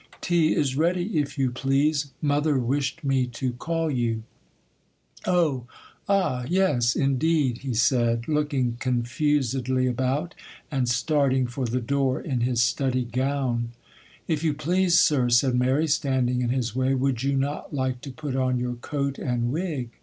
'Tea is ready, if you please. Mother wished me to call you.' 'Oh!—ah!—yes!—indeed!' he said, looking confusedly about, and starting for the door in his study gown. 'If you please, sir,' said Mary, standing in his way, 'would you not like to put on your coat and wig?